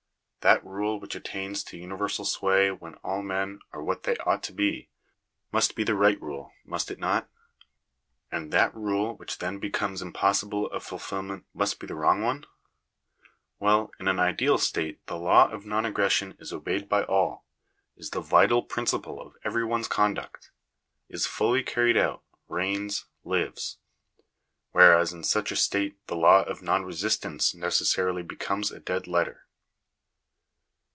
That rule which attains to universal sway when all men are what they ought to be, must be the right rule, Digitized by VjOOQIC THE DUTY OF THE STATE. 271 most it not ? And that rule which then becomes impossible of fulfilment must be the wrong one ? Well ; in an ideal state the law of non aggression is obeyed by all — is the vital prin ciple of every ones conduct — is fully carried out, reigns, lives ; whereas in such a state the law of non resistance necessarily becomes a dead letter.